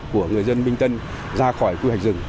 của người dân minh tân ra khỏi quy hoạch rừng